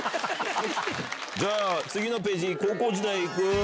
じゃあ次のページ高校時代いく？